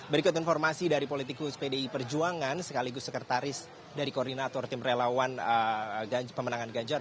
berikut informasi dari politikus pdi perjuangan sekaligus sekretaris dari koordinator tim relawan pemenangan ganjar